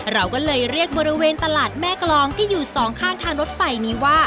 เราก็เลยเรียกบริเวณตลาดแม่กรองที่อยู่สองข้างทางรถไฟนี้ว่า